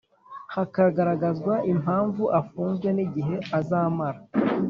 hakagaragazwa impamvu afunzwe n igihe azamara